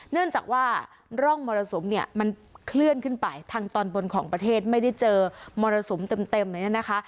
เนื่องจากว่าร่องมรสุมเนี่ยมันเคลื่อนขึ้นไปทางตอนบนของประเทศไม่ได้เจอมรสุมเต็มเลยนะคะ